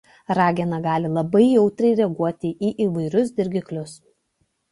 Ragena gali labai jautriai reaguoti į įvairius dirgiklius.